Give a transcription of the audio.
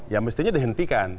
ya mestinya dihentikan